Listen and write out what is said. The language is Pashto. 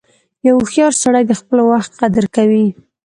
• یو هوښیار سړی د خپل وخت قدر کوي.